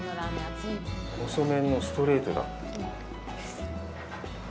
細麺のストレートだ。